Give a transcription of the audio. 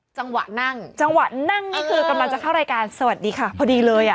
จังหวะนั่งจังหวะนั่งนี่คือกำลังจะเข้ารายการสวัสดีค่ะพอดีเลยอ่ะ